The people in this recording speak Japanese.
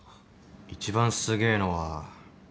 一番すげえのは。